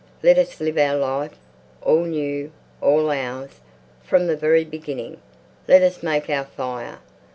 Let us live our life, all new, all ours, from the very beginning. Let us make our fire.